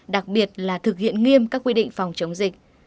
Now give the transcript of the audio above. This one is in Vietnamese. đặc biệt là thực hiện nghiêm các quy định phòng chống dịch